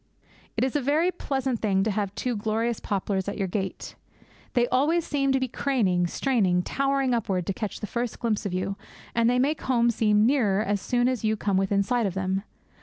It is a very pleasant thing to have two glorious poplars at your gate. They always seem to be craning, straining, towering upward to catch the first glimpse of you; and they make home seem nearer as soon as you come within sight of them.